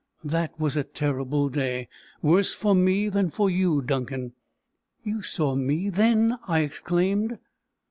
"That was a terrible day; worse for me than for you, Duncan." "You saw me then!" I exclaimed.